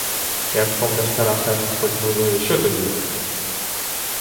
Як помре стара, хай господь милує, — що тоді?